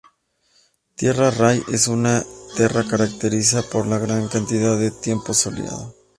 Terra Ray es una terra caracteriza por la gran cantidad de tiempo soleado.